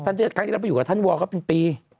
ท่านเจสันแก้อยินละไปอยู่กับท่านวอล์ก็เป็นปี